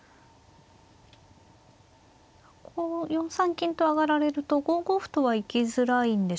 こう４三金と上がられると５五歩とは行きづらいんでしょうか。